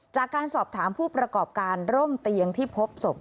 จากการสอบถามผู้ประกอบการร่มเตียงที่พบศพ